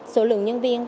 số lượng nhân viên